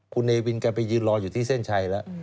คุณเนวินแกไปยืนรออยู่ที่เส้นชัยแล้ว